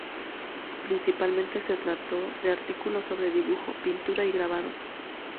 Principalmente se trató de artículos sobre dibujo, pintura y grabado.